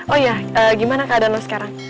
oh ya gimana keadaan lo sekarang